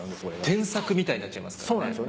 添削みたいになっちゃいますからね。